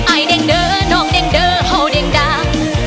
อายเด็งเดอน้องเด็งเดอเฮ้าเด็งดัง